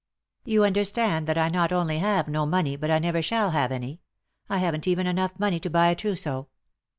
" You understand that I not only have no money but I never shall have any. I haven't even enough money to buy a trousseau."